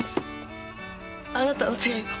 あなたのせいよ。